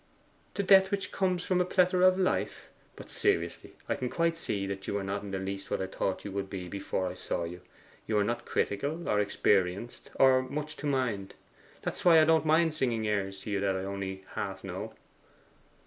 'The death which comes from a plethora of life? But seriously, I can quite see that you are not the least what I thought you would be before I saw you. You are not critical, or experienced, or much to mind. That's why I don't mind singing airs to you that I only half know.